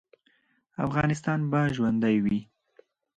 افغانستان به ژوندی وي